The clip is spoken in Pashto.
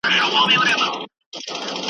سیوری د چایمه؟ .